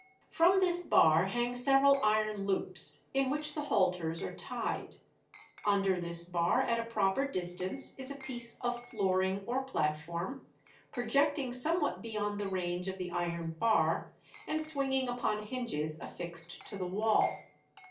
"From this bar hang several iron loops, in which the halters are tied. Under this bar at a proper distance is a piece of flooring or platform, projecting somewhat beyond the range of the iron bar, and swinging upon hinges affixed to the wall.